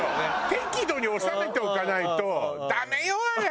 適度に収めておかないとダメよあれ。